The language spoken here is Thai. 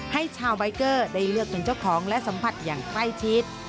ให้ชาวใบเกอร์ได้เลือกถึงเจ้าของและสัมผัสอย่างใกล้ชิด